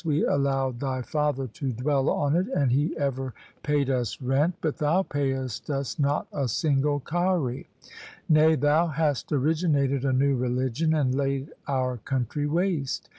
We allowed thy father to dwell on it, and he ever paid us rent, 128 THE SIKH RELIGION but thou payest us not a single kauri. Nay, thou hast originated a new religion, and laid our country waste.